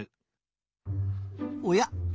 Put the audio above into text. おや？